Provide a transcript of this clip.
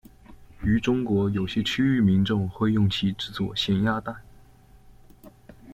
于中国有些区域民众会用其制作咸鸭蛋。